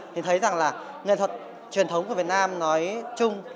thì thấy rằng là nghệ thuật truyền thống của việt nam nói chung